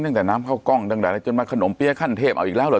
ตั้งแต่น้ำเข้ากล้องดังนั้นจนมาขนมเปียกขั้นเทพอ๋ออีกแล้วหรือ